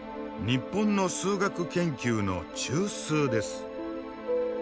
日本の数学研究の中枢です。